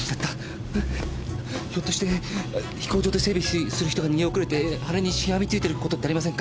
ひょっとして「飛行場で整備する人が逃げ遅れて翼にしがみついてること」ってありませんか？